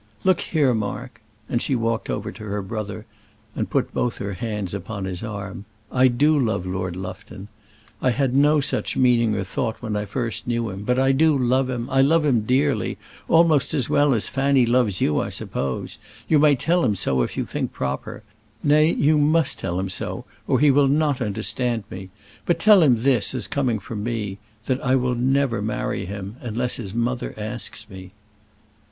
Look here, Mark;" and she walked over to her brother, and put both her hands upon his arm. "I do love Lord Lufton. I had no such meaning or thought when I first knew him. But I do love him I love him dearly; almost as well as Fanny loves you, I suppose. You may tell him so if you think proper nay, you must tell him so, or he will not understand me. But tell him this, as coming from me: that I will never marry him, unless his mother asks me."